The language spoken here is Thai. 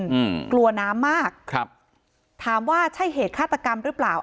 อืมกลัวน้ำมากครับถามว่าใช่เหตุฆาตกรรมหรือเปล่า